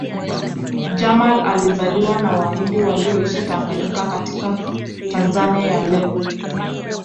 Jamal alizaliwa na Wahindi walioishi Tanganyika katika Tanzania ya leo